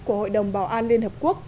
của hội đồng bảo an liên hợp quốc